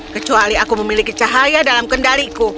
kecuali aku memiliki cahaya dalam kendaliku